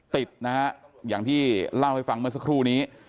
ติดนะฮะอย่างที่เล่าให้ฟังเมื่อสักครู่นี้